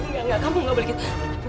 enggak kamu gak boleh gitu